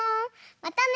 またね。